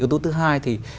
yếu tố thứ hai thì